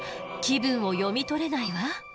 気分を読み取れないわ。